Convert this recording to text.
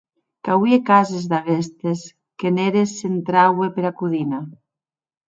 Qu’auie cases d’aguestes qu’en eres s’entraue pera codina.